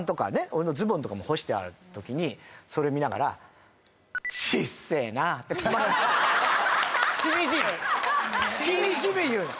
俺のズボンとかも干してある時にそれ見ながら「ちっせえなあ」ってしみじみしみじみ言うの！